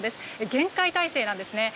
厳戒態勢なんですね。